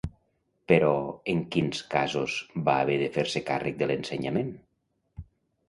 Però, en quins casos va haver de fer-se càrrec de l'ensenyament?